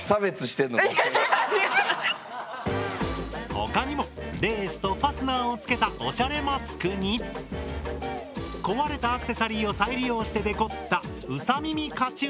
他にもレースとファスナーを付けたおしゃれマスクに壊れたアクセサリーを再利用してデコったうさ耳カチューシャも。